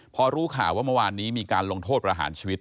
พอรู้ข่าวว่าเมื่อวานนี้มีการลงโทษประหารชีวิต